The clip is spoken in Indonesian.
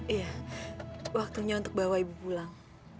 iya waktunya untuk bawa ibu pulang